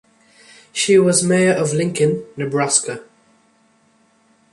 She was mayor of Lincoln, Nebraska.